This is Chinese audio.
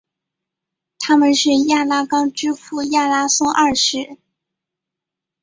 他们是亚拉冈之父亚拉松二世。